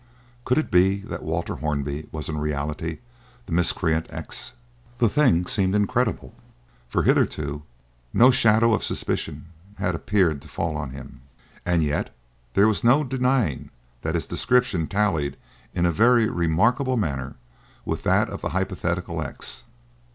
Could it be that Walter Hornby was in reality the miscreant X? The thing seemed incredible, for, hitherto, no shadow of suspicion had appeared to fall on him. And yet there was no denying that his description tallied in a very remarkable manner with that of the hypothetical X.